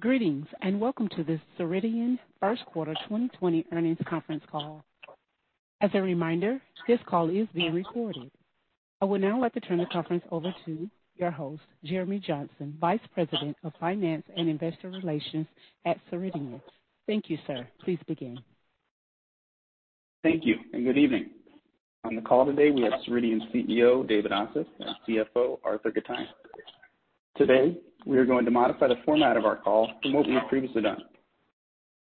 Greetings, welcome to this Ceridian first quarter 2020 earnings conference call. As a reminder, this call is being recorded. I would now like to turn the conference over to your host, Jeremy Johnson, Vice President of Finance and Investor Relations at Ceridian. Thank you, sir. Please begin. Thank you. Good evening. On the call today, we have Ceridian CEO, David Ossip, and CFO, Arthur Gitajn. Today, we are going to modify the format of our call from what we have previously done.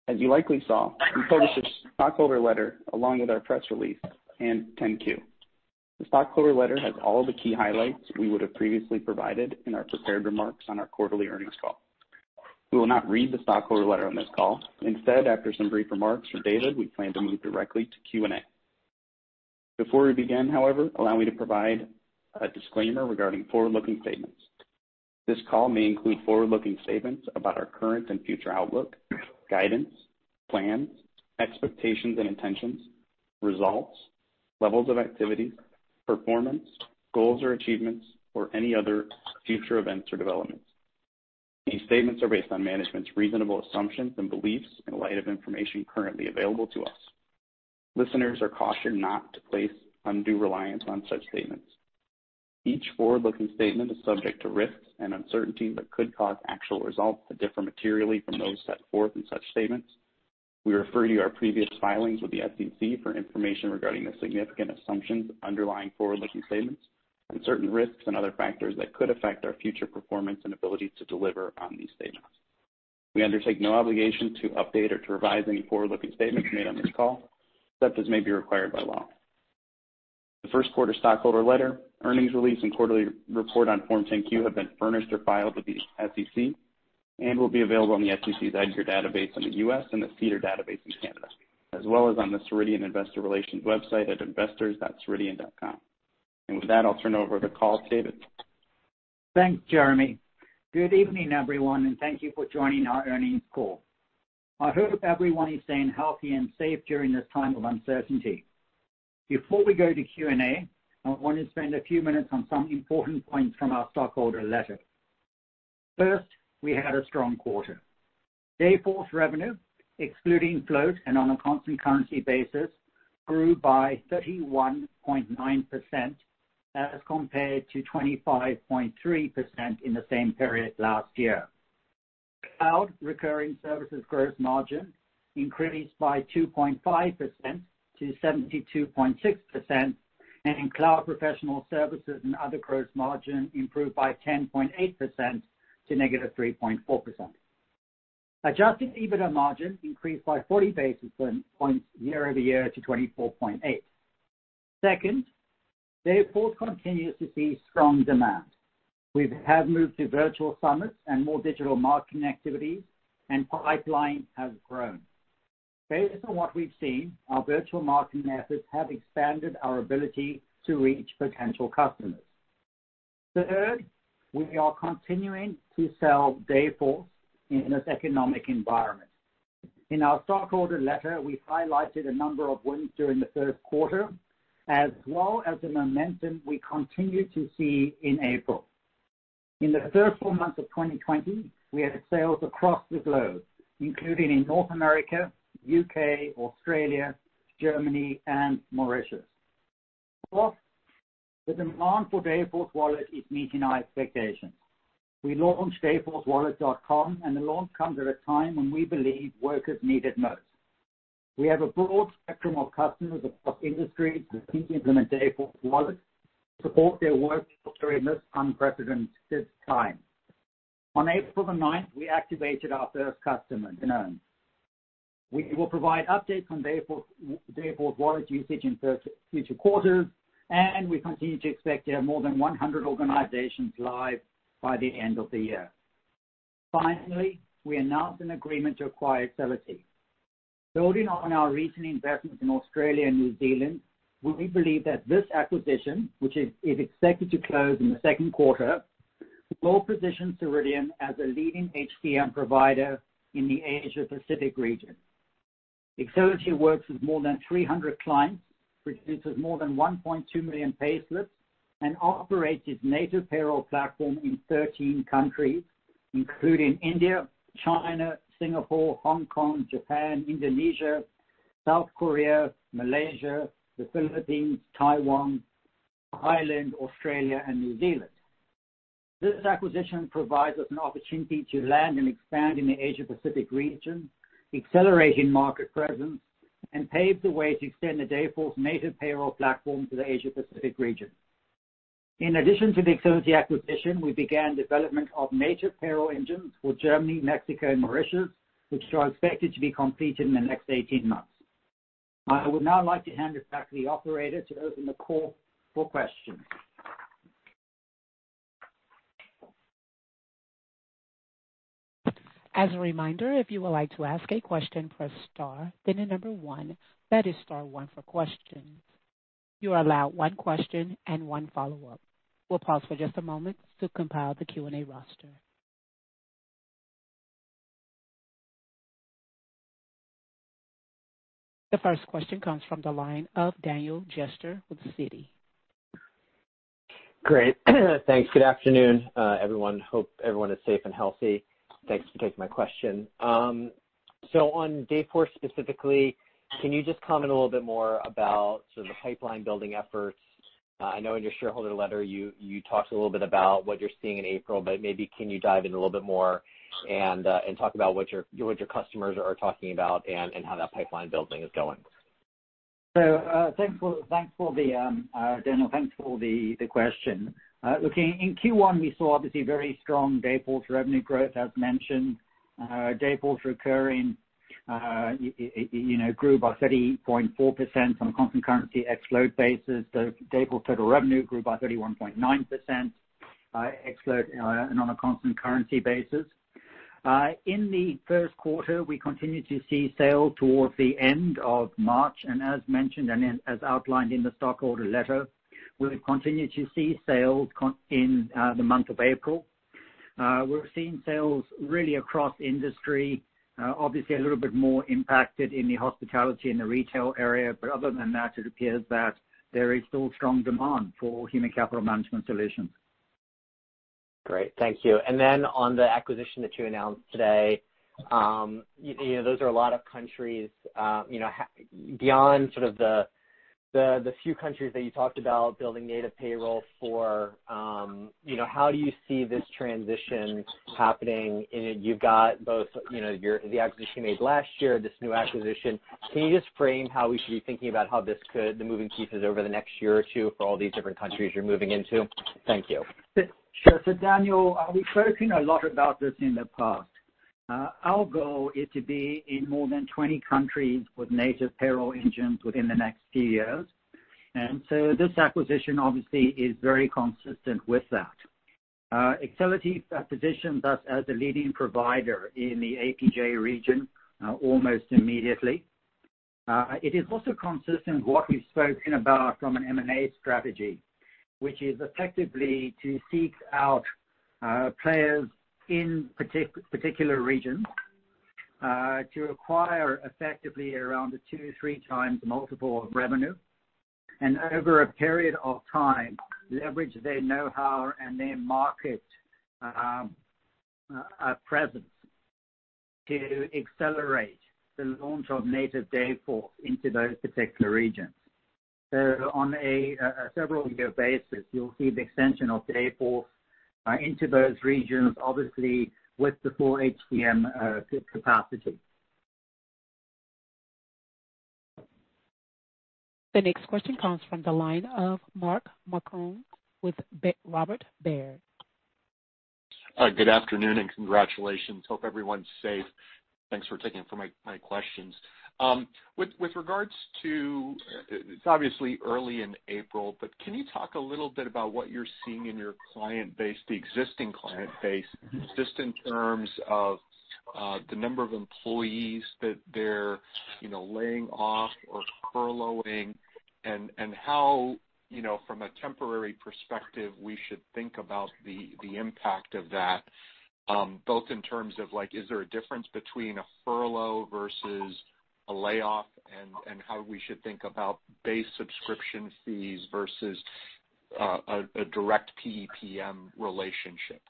As you likely saw, we published a stockholder letter along with our press release and 10-Q. The stockholder letter has all the key highlights we would've previously provided in our prepared remarks on our quarterly earnings call. We will not read the stockholder letter on this call. Instead, after some brief remarks from David, we plan to move directly to Q&A. Before we begin, however, allow me to provide a disclaimer regarding forward-looking statements. This call may include forward-looking statements about our current and future outlook, guidance, plans, expectations and intentions, results, levels of activity, performance, goals or achievements, or any other future events or developments. These statements are based on management's reasonable assumptions and beliefs in light of information currently available to us. Listeners are cautioned not to place undue reliance on such statements. Each forward-looking statement is subject to risks and uncertainty that could cause actual results to differ materially from those set forth in such statements. We refer you to our previous filings with the SEC for information regarding the significant assumptions underlying forward-looking statements, and certain risks and other factors that could affect our future performance and ability to deliver on these statements. We undertake no obligation to update or to revise any forward-looking statements made on this call, except as may be required by law. The first quarter stockholder letter, earnings release, and quarterly report on Form 10-Q have been furnished or filed with the SEC and will be available on the SEC's EDGAR database in the U.S. and the SEDAR database in Canada, as well as on the Ceridian investor relations website at investors.ceridian.com. With that, I'll turn over the call to David. Thanks, Jeremy. Good evening, everyone, thank you for joining our earnings call. I hope everyone is staying healthy and safe during this time of uncertainty. Before we go to Q&A, I want to spend a few minutes on some important points from our stockholder letter. First, we had a strong quarter. Dayforce revenue, excluding float and on a constant currency basis, grew by 31.9% as compared to 25.3% in the same period last year. Cloud recurring services gross margin increased by 2.5% to 72.6%, in cloud professional services and other gross margin improved by 10.8% to -3.4%. Adjusted EBITDA margin increased by 40 basis points year-over-year to 24.8%. Second, Dayforce continues to see strong demand. We have moved to virtual summits and more digital marketing activities and pipeline has grown. Based on what we've seen, our virtual marketing methods have expanded our ability to reach potential customers. Third, we are continuing to sell Dayforce in this economic environment. In our stockholder letter, we highlighted a number of wins during the first quarter, as well as the momentum we continue to see in April. In the first full month of 2020, we had sales across the globe, including in North America, UK, Australia, Germany, and Mauritius. Fourth, the demand for Dayforce Wallet is meeting our expectations. We launched dayforcewallet.com, and the launch comes at a time when we believe workers need it most. We have a broad spectrum of customers across industries looking to implement Dayforce Wallet to support their workforce during this unprecedented time. On April the 9th, we activated our first customer, Danone. We will provide updates on Dayforce Wallet usage in future quarters, and we continue to expect to have more than 100 organizations live by the end of the year. Finally, we announced an agreement to acquire Excelity. Building on our recent investments in Australia and New Zealand, we believe that this acquisition, which is expected to close in the second quarter, will position Ceridian as a leading HCM provider in the Asia Pacific region. Excelity works with more than 300 clients, produces more than 1.2 million payslips, and operates its native payroll platform in 13 countries, including India, China, Singapore, Hong Kong, Japan, Indonesia, South Korea, Malaysia, the Philippines, Taiwan, Thailand, Australia, and New Zealand. This acquisition provides us an opportunity to land and expand in the Asia Pacific region, accelerating market presence, and pave the way to extend the Dayforce native payroll platform to the Asia Pacific region. In addition to the Excelity acquisition, we began development of native payroll engines for Germany, Mexico, and Mauritius, which are expected to be completed in the next 18 months. I would now like to hand it back to the operator to open the call for questions. As a reminder, if you would like to ask a question, press star then the number one. That is star one for questions. You are allowed one question and one follow-up. We'll pause for just a moment to compile the Q&A roster. The first question comes from the line of Daniel Jester with Citi. Great. Thanks. Good afternoon, everyone. Hope everyone is safe and healthy. Thanks for taking my question. On Dayforce specifically, can you just comment a little bit more about the pipeline building efforts? I know in your shareholder letter, you talked a little bit about what you're seeing in April, maybe can you dive in a little bit more and talk about what your customers are talking about and how that pipeline building is going? Daniel, thanks for the question. Looking in Q1, we saw obviously very strong Dayforce revenue growth as mentioned. Dayforce recurring grew by 30.4% on a constant currency ex-float basis. Dayforce total revenue grew by 31.9%, ex-float and on a constant currency basis. In the first quarter, we continued to see sales towards the end of March, and as mentioned and as outlined in the stockholder letter, we've continued to see sales in the month of April. We're seeing sales really across industry, obviously a little bit more impacted in the hospitality and the retail area. Other than that, it appears that there is still strong demand for human capital management solutions. Great, thank you. On the acquisition that you announced today, those are a lot of countries. Beyond the few countries that you talked about building native payroll for, how do you see this transition happening? You've got both the acquisition you made last year, this new acquisition. Can you just frame how we should be thinking about how this could the moving pieces over the next year or two for all these different countries you're moving into? Thank you. Sure. Daniel, we've spoken a lot about this in the past. Our goal is to be in more than 20 countries with native payroll engines within the next few years. This acquisition obviously is very consistent with that. Excelity positions us as a leading provider in the APJ region almost immediately. It is also consistent with what we've spoken about from an M&A strategy, which is effectively to seek out players in particular regions, to acquire effectively around a two to three times multiple of revenue. Over a period of time, leverage their knowhow and their market presence to accelerate the launch of native Dayforce into those particular regions. On a several year basis, you'll see the extension of Dayforce into those regions, obviously with the full HCM capacity. The next question comes from the line of Mark Marcon with Robert Baird. Good afternoon. Congratulations. Hope everyone's safe. Thanks for taking my questions. With regards to, it's obviously early in April. Can you talk a little bit about what you're seeing in your client base, the existing client base, just in terms of the number of employees that they're laying off or furloughing and how, from a temporary perspective, we should think about the impact of that, both in terms of, is there a difference between a furlough versus a layoff and how we should think about base subscription fees versus a direct PEPM relationship?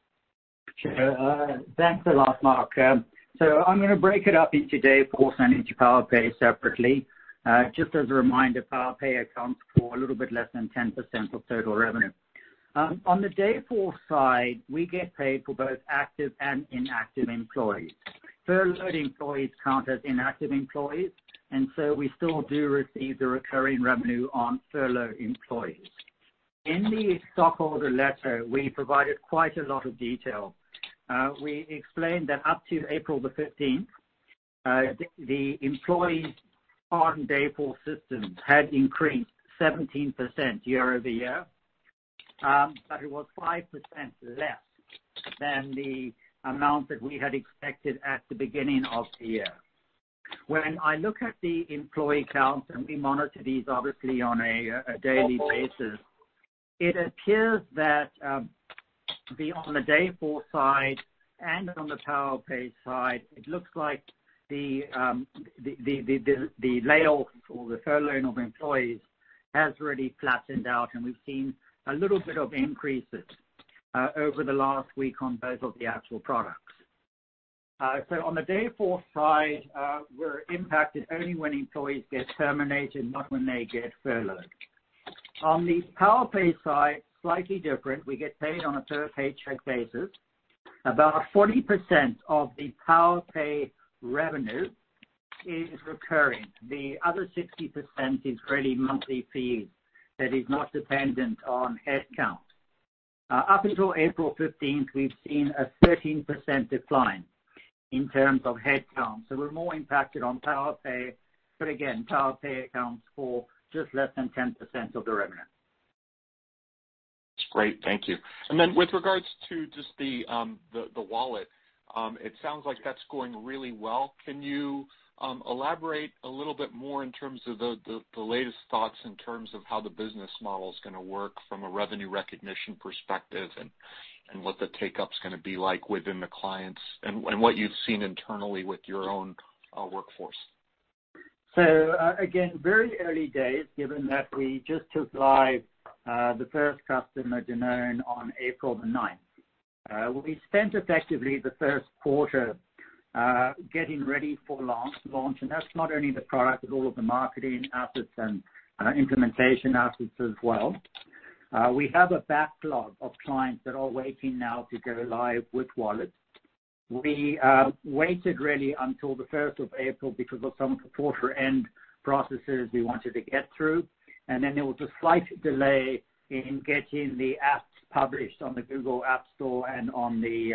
Sure. Thanks a lot, Mark. I'm going to break it up into Dayforce and into Powerpay separately. Just as a reminder, Powerpay accounts for a little bit less than 10% of total revenue. On the Dayforce side, we get paid for both active and inactive employees. Furloughed employees count as inactive employees, and so we still do receive the recurring revenue on furloughed employees. In the stockholder letter, we provided quite a lot of detail. We explained that up to April 15th, the employees on Dayforce systems had increased 17% year-over-year. It was 5% less than the amount that we had expected at the beginning of the year. When I look at the employee count, and we monitor these obviously on a daily basis, it appears that on the Dayforce side and on the Powerpay side, it looks like the layoff or the furloughing of employees has really flattened out, and we've seen a little bit of increases over the last week on both of the actual products. On the Dayforce side, we're impacted only when employees get terminated, not when they get furloughed. On the Powerpay side, slightly different. We get paid on a per paycheck basis. About 40% of the Powerpay revenue is recurring. The other 60% is really monthly fees that is not dependent on headcount. Up until April 15th, we've seen a 13% decline in terms of headcount, so we're more impacted on Powerpay. Again, Powerpay accounts for just less than 10% of the revenue. That's great. Thank you. With regards to just the wallet, it sounds like that's going really well. Can you elaborate a little bit more in terms of the latest thoughts in terms of how the business model's going to work from a revenue recognition perspective and what the take-up's going to be like within the clients, and what you've seen internally with your own workforce? Again, very early days, given that we just took live the first customer, Danone, on April the 9th. We spent effectively the first quarter getting ready for launch, that's not only the product, but all of the marketing assets and implementation assets as well. We have a backlog of clients that are waiting now to go live with Wallet. We waited really until the 1st of April because of some quarter-end processes we wanted to get through, then there was a slight delay in getting the apps published on the Google App Store and on the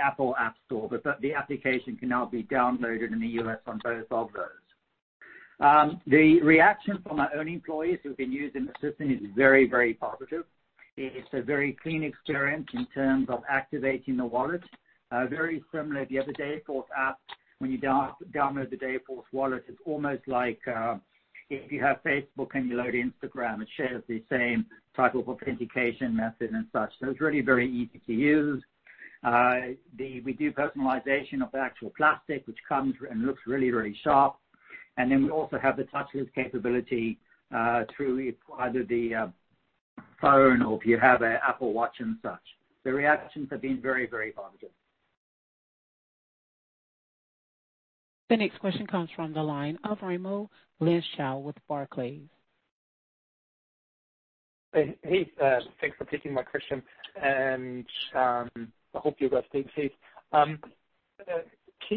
Apple App Store. The application can now be downloaded in the U.S. on both of those. The reaction from our own employees who've been using the system is very positive. It's a very clean experience in terms of activating the wallet. Very similar, the other Dayforce app, when you download the Dayforce Wallet, it's almost like if you have Facebook and you load Instagram. It shares the same type of authentication method and such. It's really very easy to use. We do personalization of the actual plastic, which comes and looks really sharp. We also have the touchless capability through either the phone or if you have an Apple Watch and such. The reactions have been very positive. The next question comes from the line of Raimo Lenschow with Barclays. Hey. Thanks for taking my question, and I hope you guys are staying safe.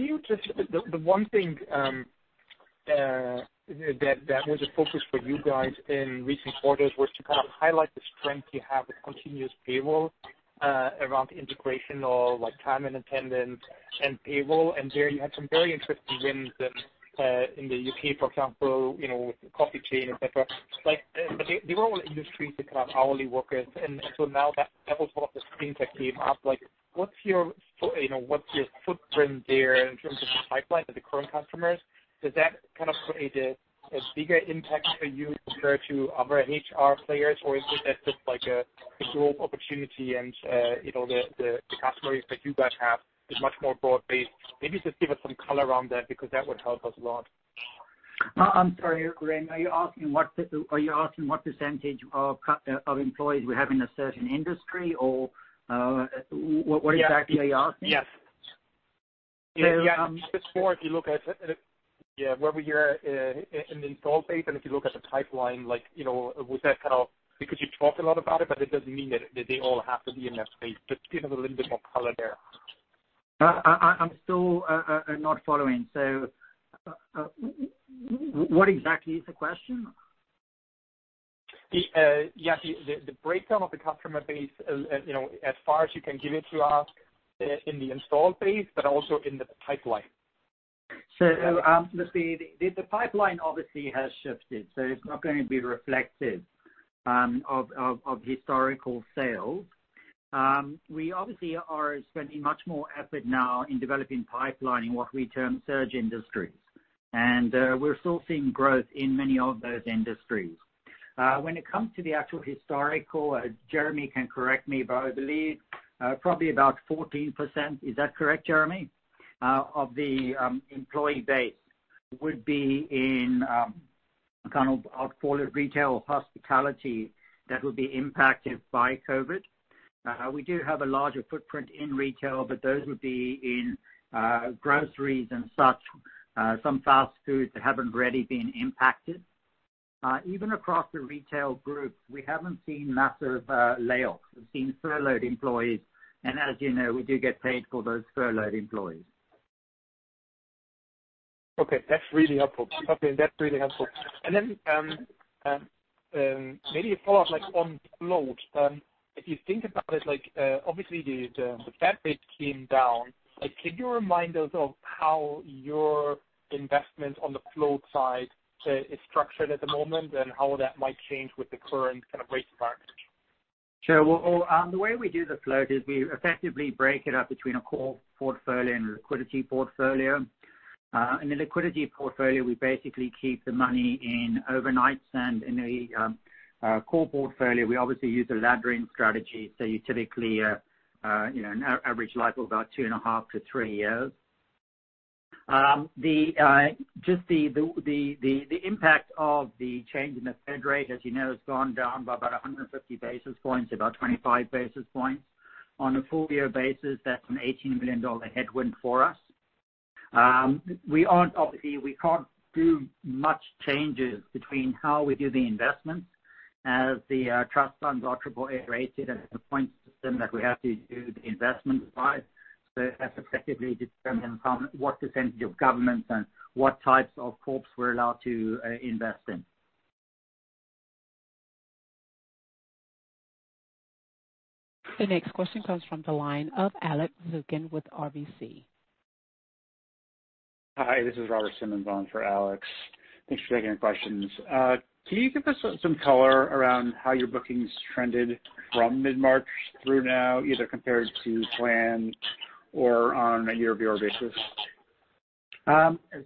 The one thing that was a focus for you guys in recent quarters was to kind of highlight the strength you have with continuous payroll around the integration of time and attendance and payroll. There you had some very interesting wins in the U.K., for example, with the coffee chain, et cetera. They were all industries with hourly workers. Now that was one of the streams that came up. What's your footprint there in terms of the pipeline for the current customers? Does that kind of create a bigger impact for you compared to other HR players, or is it that just like a dual opportunity and the customers that you guys have is much more broad-based? Maybe just give us some color around that, because that would help us a lot. I'm sorry, Raimo. Are you asking what percentage of employees we have in a certain industry, or what exactly are you asking? Yes. Before if you look at where we are in install base, and if you look at the pipeline, because you talk a lot about it, but it doesn't mean that they all have to be in that space. Just give a little bit more color there. I'm still not following. What exactly is the question? Yes. The breakdown of the customer base as far as you can give it to us in the installed base, but also in the pipeline. Look, the pipeline obviously has shifted, so it's not going to be reflective of historical sales. We obviously are spending much more effort now in developing pipeline in what we term surge industries. We're still seeing growth in many of those industries. When it comes to the actual historical, Jeremy can correct me, but I believe probably about 14%, is that correct, Jeremy? Of the employee base would be in what I'll call it retail or hospitality that would be impacted by COVID. We do have a larger footprint in retail, but those would be in groceries and such, some fast food that haven't really been impacted. Even across the retail groups, we haven't seen massive layoffs. We've seen furloughed employees. As you know, we do get paid for those furloughed employees. Okay, that's really helpful. Maybe a follow-up on float. If you think about it, obviously the Fed rate came down. Can you remind us of how your investment on the float side is structured at the moment, and how that might change with the current kind of rate environment? Sure. Well, the way we do the float is we effectively break it up between a core portfolio and a liquidity portfolio. In the liquidity portfolio, we basically keep the money in overnights, and in the core portfolio, we obviously use a laddering strategy. You typically average life of about two and a half to three years. Just the impact of the change in the Fed rate, as you know, has gone down tot 150 basis points, about 25 basis points. On a full-year basis, that's an $18 million headwind for us. Obviously, we can't do much changes between how we do the investments. As the trust funds are triple A-rated and has a point system that we have to do the investment side. That effectively determines what percentage of governments and what types of corps we're allowed to invest in. The next question comes from the line of Alex Zukin with RBC. Hi, this is Robert Simmons on for Alex. Thanks for taking our questions. Can you give us some color around how your bookings trended from mid-March through now, either compared to plan or on a year-over-year basis?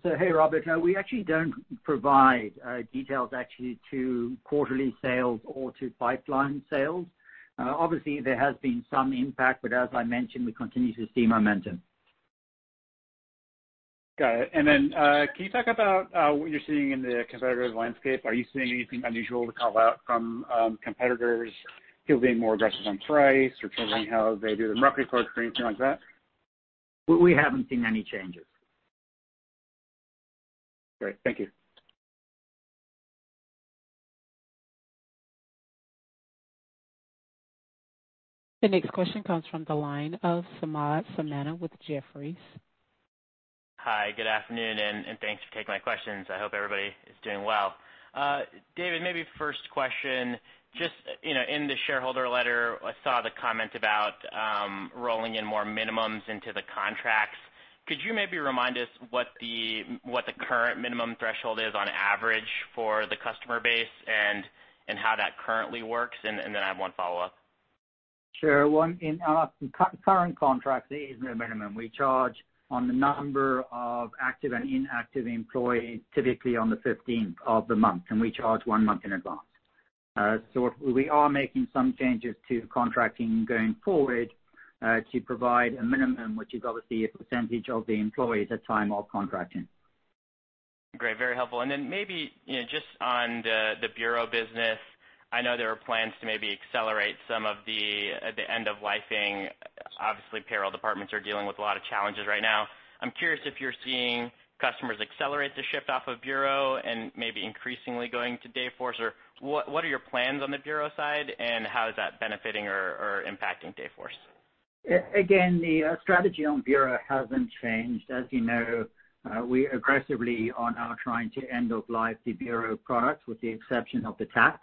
Hey, Robert. We actually don't provide details actually to quarterly sales or to pipeline sales. Obviously, there has been some impact, but as I mentioned, we continue to see momentum. Got it. Can you talk about what you're seeing in the competitive landscape? Are you seeing anything unusual to call out from competitors still being more aggressive on price or changing how they do the market, or anything like that? We haven't seen any changes. Great. Thank you. The next question comes from the line of Samad Samana with Jefferies. Hi, good afternoon, and thanks for taking my questions. I hope everybody is doing well. David, maybe first question, just in the shareholder letter, I saw the comment about rolling in more minimums into the contracts. Could you maybe remind us what the current minimum threshold is on average for the customer base and how that currently works? I have one follow-up. Sure. Well, in our current contract, there is no minimum. We charge on the number of active and inactive employees typically on the 15th of the month, and we charge one month in advance. We are making some changes to contracting going forward to provide a minimum, which is obviously a percentage of the employees at time of contracting. Great. Very helpful. Then maybe just on the bureau business, I know there are plans to maybe accelerate some of the end-of-lifing. Obviously, payroll departments are dealing with a lot of challenges right now. I'm curious if you're seeing customers accelerate the shift off of bureau and maybe increasingly going to Dayforce, or what are your plans on the bureau side, and how is that benefiting or impacting Dayforce? The strategy on bureau hasn't changed. As you know, we aggressively are now trying to end of life the bureau product, with the exception of the tax.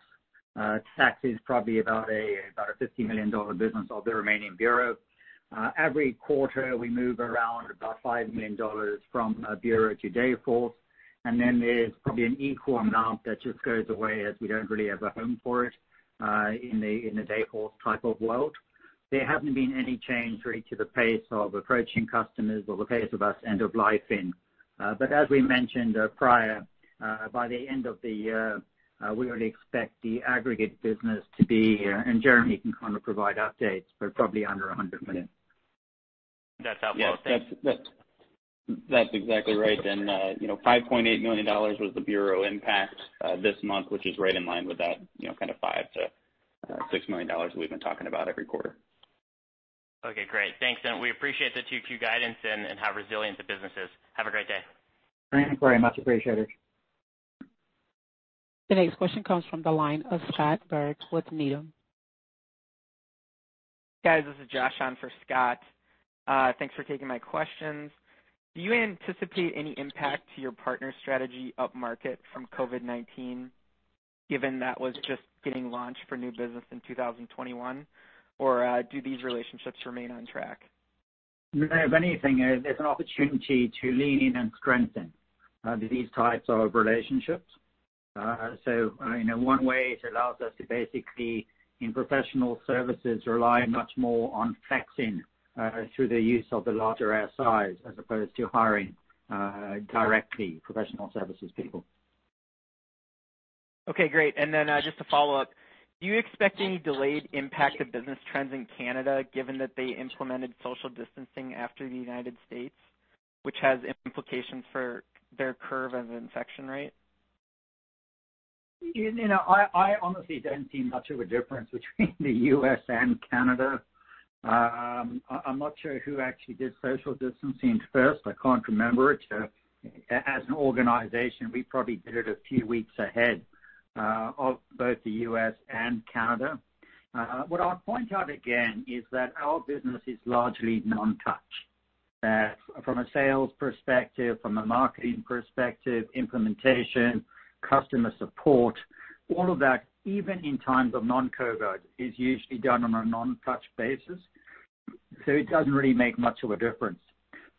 Tax is probably about a $50 million business of the remaining bureau. Every quarter, we move around about $5 million from bureau to Dayforce, then there's probably an equal amount that just goes away as we don't really have a home for it in the Dayforce type of world. There hasn't been any change really to the pace of approaching customers or the pace of us end-of-lifing. As we mentioned prior, by the end of the year, we would expect the aggregate business to be, and Jeremy can kind of provide updates, but probably under $100 million. That's helpful. Thanks. Yes. That's exactly right. $5.8 million was the bureau impact this month, which is right in line with that kind of $5 million-$6 million we've been talking about every quarter. Okay, great. Thanks. We appreciate the 2Q guidance and how resilient the business is. Have a great day. Great. Much appreciated. The next question comes from the line of Scott Berg with Needham. Guys, this is Josh on for Scott. Thanks for taking my questions. Do you anticipate any impact to your partner strategy upmarket from COVID-19, given that was just getting launched for new business in 2021? Or do these relationships remain on track? If anything, there's an opportunity to lean in and strengthen these types of relationships. In one way, it allows us to basically, in professional services, rely much more on flexing through the use of the larger our size, as opposed to hiring directly professional services people. Okay, great. Just a follow-up, do you expect any delayed impact of business trends in Canada, given that they implemented social distancing after the U.S., which has implications for their curve and infection rate? I honestly don't see much of a difference between the U.S. and Canada. I'm not sure who actually did social distancing first. I can't remember it. As an organization, we probably did it a few weeks ahead of both the U.S. and Canada. What I'll point out again is that our business is largely non-touch. From a sales perspective, from a marketing perspective, implementation, customer support, all of that, even in times of non-COVID, is usually done on a non-touch basis. It doesn't really make much of a difference.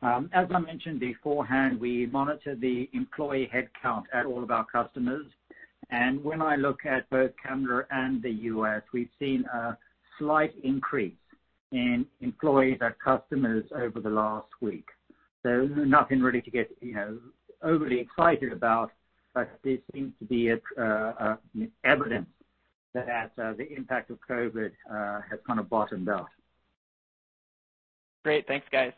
As I mentioned beforehand, we monitor the employee headcount at all of our customers, and when I look at both Canada and the U.S., we've seen a slight increase in employees at customers over the last week. Nothing really to get overly excited about, but there seems to be evidence that the impact of COVID has kind of bottomed out. Great. Thanks, guys.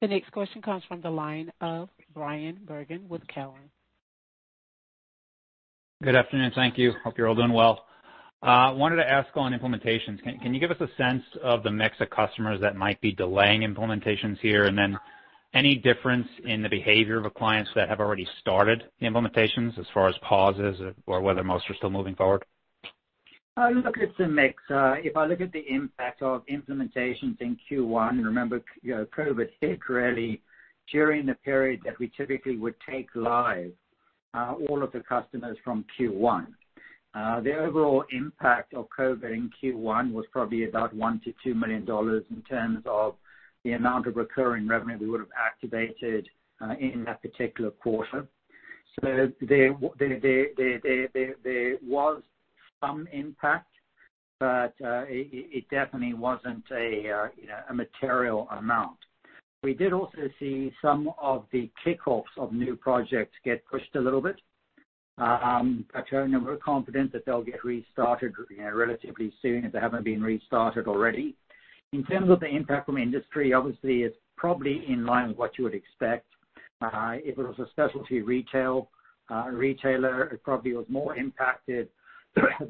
The next question comes from the line of Bryan Bergin with Cowen. Good afternoon. Thank you. Hope you're all doing well. Wanted to ask on implementations, can you give us a sense of the mix of customers that might be delaying implementations here? Any difference in the behavior of clients that have already started the implementations as far as pauses or whether most are still moving forward? Look at the mix. If I look at the impact of implementations in Q1, remember COVID hit really during the period that we typically would take live all of the customers from Q1. The overall impact of COVID in Q1 was probably about $1 million-$2 million in terms of the amount of recurring revenue we would have activated in that particular quarter. There was some impact, but it definitely wasn't a material amount. We did also see some of the kick-offs of new projects get pushed a little bit. We're confident that they'll get restarted relatively soon if they haven't been restarted already. In terms of the impact from industry, obviously, it's probably in line with what you would expect. If it was a specialty retailer, it probably was more impacted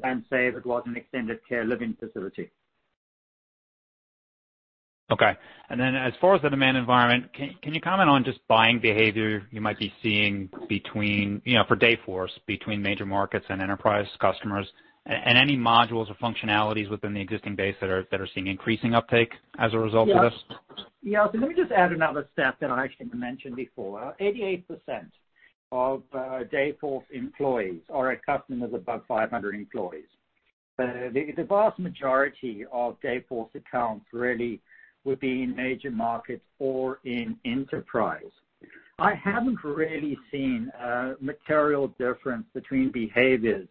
than, say, if it was an extended care living facility. Okay. As far as the demand environment, can you comment on just buying behavior you might be seeing for Dayforce between major markets and enterprise customers and any modules or functionalities within the existing base that are seeing increasing uptake as a result of this? Yeah. Let me just add another stat that I actually mentioned before. 88% of Dayforce employees are at customers above 500 employees. The vast majority of Dayforce accounts really would be in major markets or in enterprise. I haven't really seen a material difference between behaviors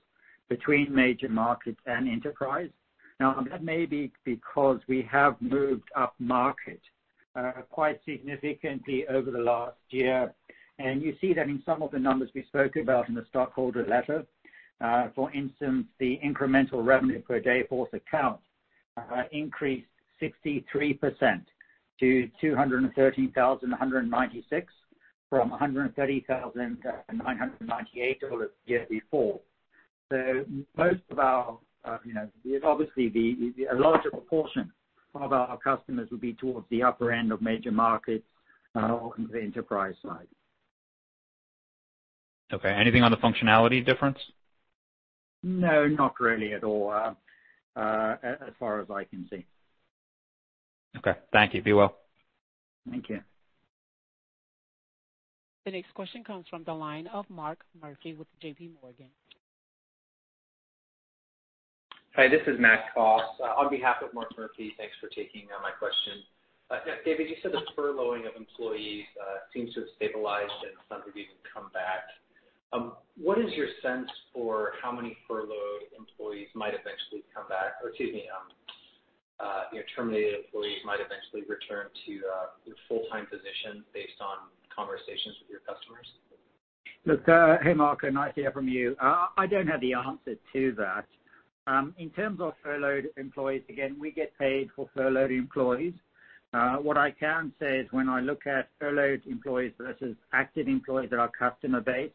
between major markets and enterprise. That may be because we have moved upmarket quite significantly over the last year, and you see that in some of the numbers we spoke about in the stockholder letter. For instance, the incremental revenue per Dayforce account increased 63% to $213,196 from $130,998 the year before. Obviously, a larger proportion of our customers would be towards the upper end of major markets on the enterprise side. Okay. Anything on the functionality difference? No, not really at all. As far as I can see. Okay. Thank you. Be well. Thank you. The next question comes from the line of Mark Murphy with JPMorgan. Hi, this is Matt Coss on behalf of Mark Murphy. Thanks for taking my question. David, you said the furloughing of employees seems to have stabilized and some have even come back. What is your sense for how many furloughed employees might eventually come back, or excuse me, terminated employees might eventually return to their full-time position based on conversations with your customers? Look, hey, Matt. Nice to hear from you. I don't have the answer to that. In terms of furloughed employees, again, we get paid for furloughed employees. What I can say is when I look at furloughed employees versus active employees at our customer base,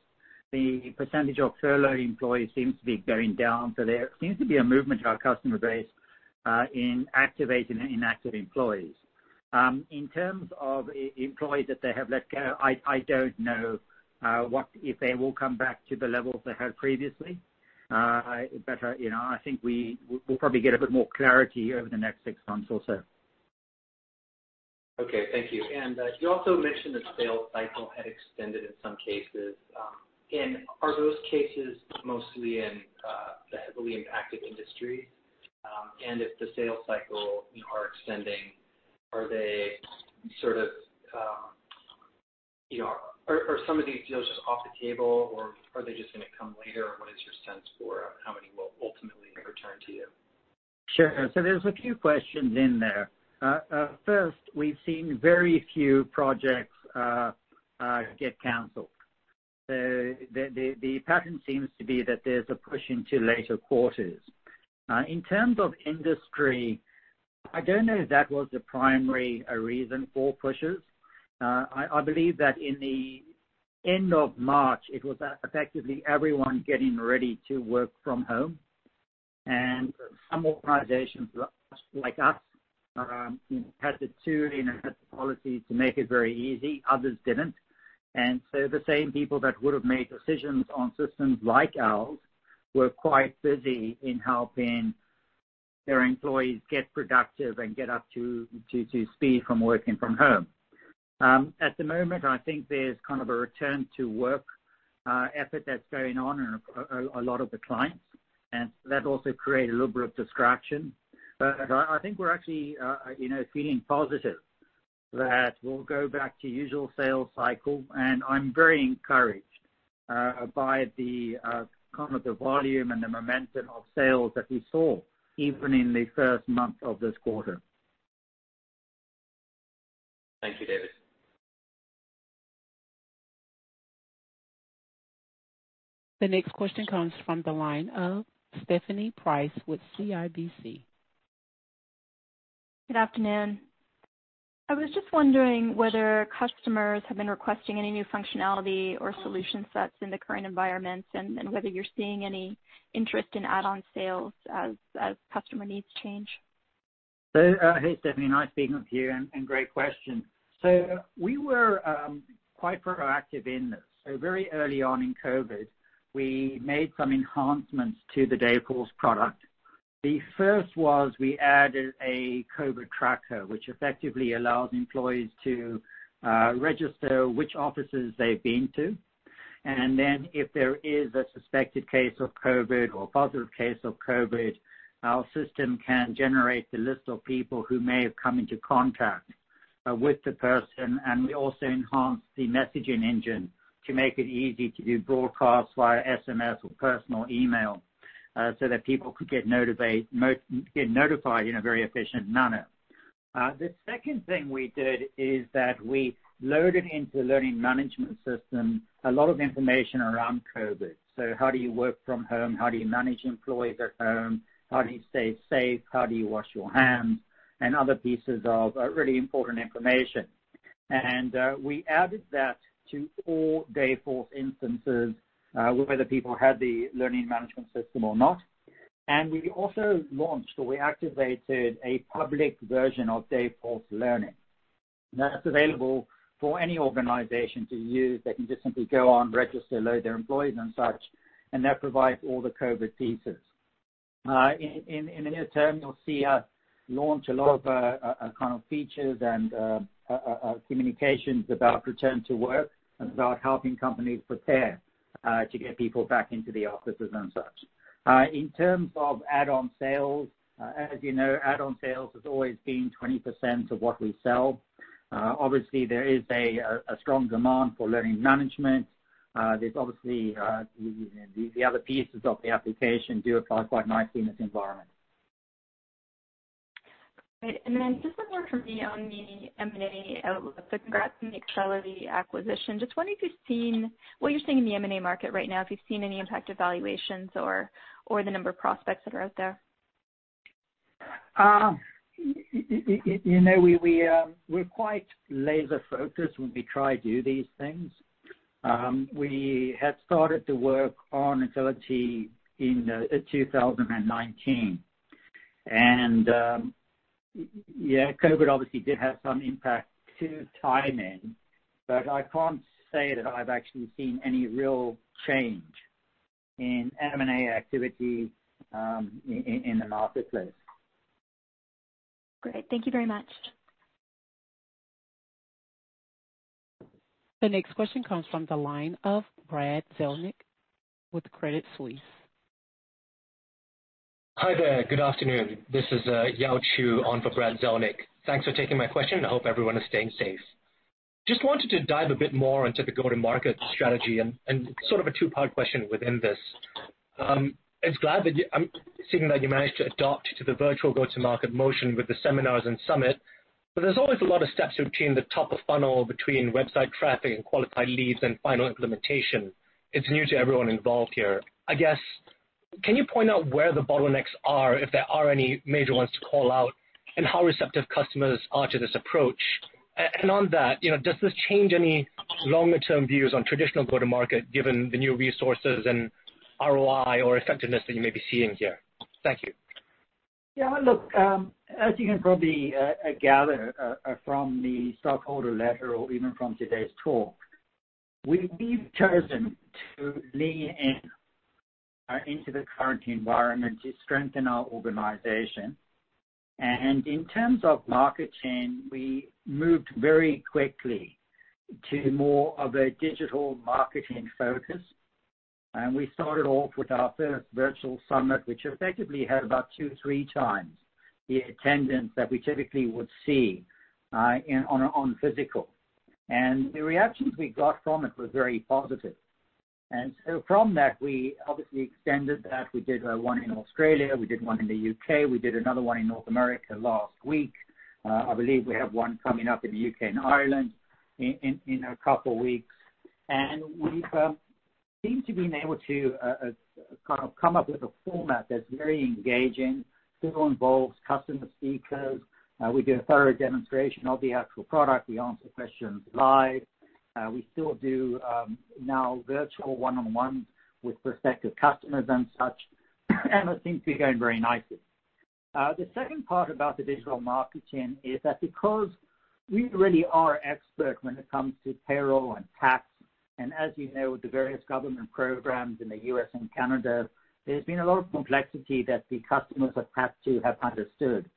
the percentage of furloughed employees seems to be going down. There seems to be a movement in our customer base in activating inactive employees. In terms of employees that they have let go, I don't know if they will come back to the levels they had previously. I think we'll probably get a bit more clarity over the next six months or so. Okay. Thank you. You also mentioned the sales cycle had extended in some cases. Are those cases mostly in the heavily impacted industries? If the sales cycle are extending, are some of these deals just off the table, or are they just going to come later? What is your sense for how many will ultimately return to you? Sure. There's a few questions in there. First, we've seen very few projects get canceled. The pattern seems to be that there's a push into later quarters. In terms of industry, I don't know if that was the primary reason for pushes. I believe that in the end of March, it was effectively everyone getting ready to work from home. Some organizations like us had the tools and had the policy to make it very easy. Others didn't. The same people that would have made decisions on systems like ours were quite busy in helping their employees get productive and get up to speed from working from home. At the moment, I think there's kind of a return to work effort that's going on in a lot of the clients, and that also created a little bit of distraction. I think we're actually feeling positive that we'll go back to usual sales cycle, and I'm very encouraged by the volume and the momentum of sales that we saw even in the first month of this quarter. Thank you, David. The next question comes from the line of Stephanie Price with CIBC. Good afternoon. I was just wondering whether customers have been requesting any new functionality or solution sets in the current environment, and whether you're seeing any interest in add-on sales as customer needs change? Hey, Stephanie, nice speaking with you, and great question. We were quite proactive in this. Very early on in COVID, we made some enhancements to the Dayforce product. The first was we added a COVID tracker, which effectively allows employees to register which offices they've been to. If there is a suspected case of COVID or a positive case of COVID, our system can generate the list of people who may have come into contact with the person. We also enhanced the messaging engine to make it easy to do broadcasts via SMS or personal email so that people could get notified in a very efficient manner. The second thing we did is that we loaded into the learning management system a lot of information around COVID. How do you work from home? How do you manage employees at home? How do you stay safe? How do you wash your hands? Other pieces of really important information. We added that to all Dayforce instances, whether people had the learning management system or not. We also launched, or we activated, a public version of Dayforce Learning. That's available for any organization to use. They can just simply go on, register, load their employees, and such, and that provides all the COVID pieces. In the near term, you'll see us launch a lot of features and communications about return to work and about helping companies prepare to get people back into the offices and such. In terms of add-on sales, as you know, add-on sales has always been 20% of what we sell. Obviously, there is a strong demand for learning management. Obviously, the other pieces of the application do apply quite nicely in this environment. Great. Just one more from me on the M&A outlook. Congrats on the Excelity acquisition. Just wondering what you're seeing in the M&A market right now, if you've seen any impact of valuations or the number of prospects that are out there. We're quite laser-focused when we try to do these things. We had started to work on Excelity in 2019. Yeah, COVID obviously did have some impact to timing, but I can't say that I've actually seen any real change in M&A activity in the marketplace. Great. Thank you very much. The next question comes from the line of Brad Zelnick with Credit Suisse. Hi there. Good afternoon. This is Yao Chew on for Brad Zelnick. Thanks for taking my question. I hope everyone is staying safe. Just wanted to dive a bit more into the go-to-market strategy, and sort of a two-part question within this. I'm seeing that you managed to adapt to the virtual go-to-market motion with the seminars and summit, but there's always a lot of steps between the top of funnel between website traffic and qualified leads and final implementation. It's new to everyone involved here. I guess, can you point out where the bottlenecks are, if there are any major ones to call out, and how receptive customers are to this approach? On that, does this change any longer-term views on traditional go-to-market given the new resources and ROI or effectiveness that you may be seeing here? Thank you. Yeah. Look, as you can probably gather from the stockholder letter or even from today's talk, we've chosen to lean into the current environment to strengthen our organization. In terms of marketing, we moved very quickly to more of a digital marketing focus. We started off with our first virtual summit, which effectively had about two to three times the attendance that we typically would see on physical. The reactions we got from it were very positive. From that, we obviously extended that. We did one in Australia. We did one in the U.K. We did another one in North America last week. I believe we have one coming up in the U.K. and Ireland in a couple of weeks. We seem to have been able to come up with a format that's very engaging, still involves customer speakers. We do a thorough demonstration of the actual product. We answer questions live. We still do now virtual one-on-one with prospective customers and such, and it seems to be going very nicely. The second part about the digital marketing is that because we really are expert when it comes to payroll and tax, and as you know, the various government programs in the U.S. and Canada, there's been a lot of complexity that the customers have had to have understood.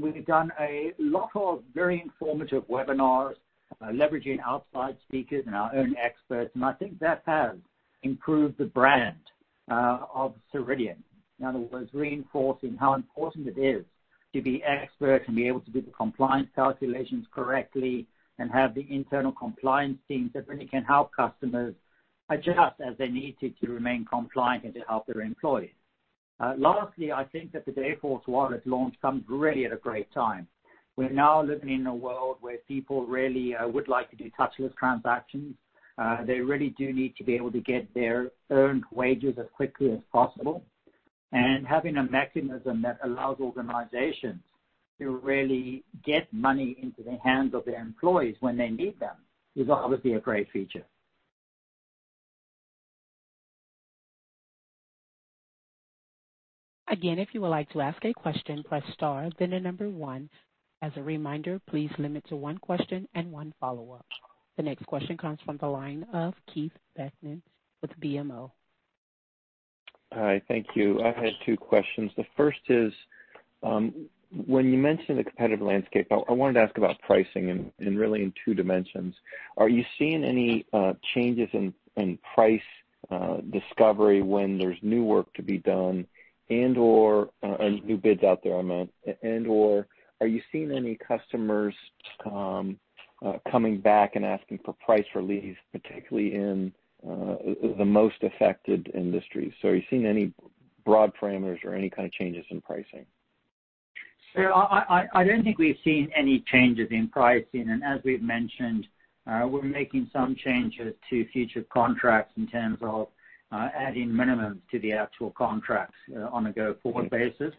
We've done a lot of very informative webinars, leveraging outside speakers and our own experts, and I think that has improved the brand of Ceridian. In other words, reinforcing how important it is to be expert and be able to do the compliance calculations correctly and have the internal compliance teams that really can help customers adjust as they needed to remain compliant and to help their employees. Lastly, I think that the Dayforce Wallet launch comes really at a great time. We're now living in a world where people really would like to do touchless transactions. They really do need to be able to get their earned wages as quickly as possible. Having a mechanism that allows organizations to really get money into the hands of their employees when they need them is obviously a great feature. Again, if you would like to ask a question, press star, then the number one. As a reminder, please limit to one question and one follow-up. The next question comes from the line of Keith Bachman with BMO. Hi. Thank you. I had two questions. The first is, when you mentioned the competitive landscape, I wanted to ask about pricing in really in two dimensions. Are you seeing any changes in price discovery when there's new work to be done and/or new bids out there, I meant. Are you seeing any customers coming back and asking for price release, particularly in the most affected industries. Are you seeing any broad parameters or any kind of changes in pricing? Sure. I don't think we've seen any changes in pricing, and as we've mentioned, we're making some changes to future contracts in terms of adding minimums to the actual contracts on a go-forward basis.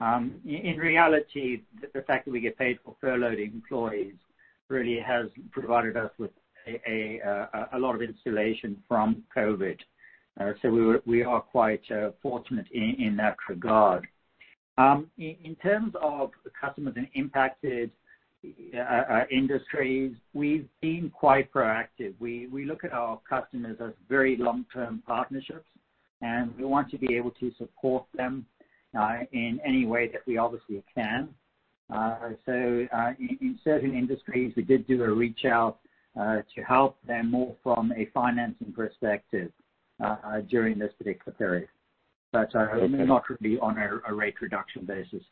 In reality, the fact that we get paid for furloughed employees really has provided us with a lot of insulation from COVID. We are quite fortunate in that regard. In terms of the customers in impacted industries, we've been quite proactive. We look at our customers as very long-term partnerships, and we want to be able to support them in any way that we obviously can. In certain industries, we did do a reach out to help them more from a financing perspective during this particular period. Not really on a rate reduction basis.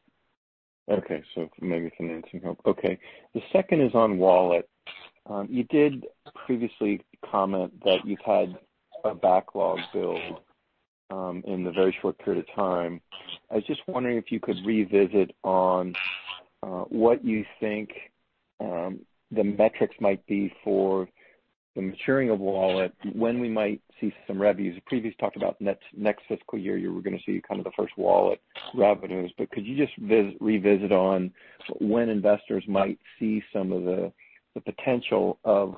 Okay, maybe financing help. Okay. The second is on Wallet. You did previously comment that you've had a backlog build in the very short period of time. I was just wondering if you could revisit on what you think the metrics might be for the maturing of Wallet, when we might see some revenues. You previously talked about next fiscal year, you were going to see the first Wallet revenues. Could you just revisit on when investors might see some of the potential of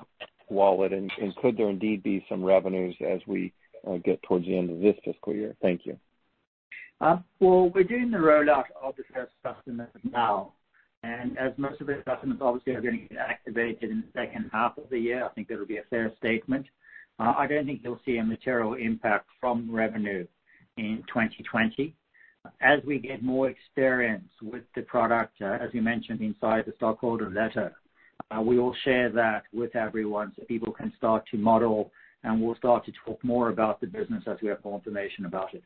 Wallet, and could there indeed be some revenues as we get towards the end of this fiscal year? Thank you. Well, we're doing the rollout of the first customer now, and as most of the customers obviously are going to get activated in the second half of the year, I think that'll be a fair statement. I don't think you'll see a material impact from revenue in 2020. As we get more experience with the product, as you mentioned inside the stockholder letter, we will share that with everyone so people can start to model, and we'll start to talk more about the business as we have more information about it.